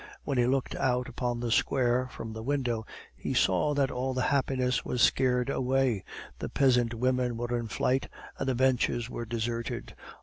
When he looked out upon the square from the window, he saw that all the happiness was scared away; the peasant women were in flight, and the benches were deserted.